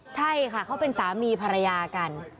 ใช่ค่ะเขาเป็นสามีภรรยากัน